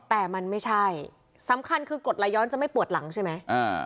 แต่มันไม่ใช่สำคัญคือกดละย้อนจะไม่ปวดหลังใช่ไหมอ่า